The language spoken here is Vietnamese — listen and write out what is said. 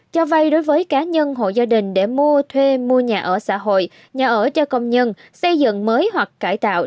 cho vay đối với cá nhân hộ gia đình để mua thuê mua nhà ở xã hội nhà ở cho công nhân xây dựng mới hoặc cải tạo